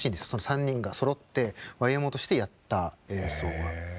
３人がそろってＹＭＯとしてやった演奏は。へえ。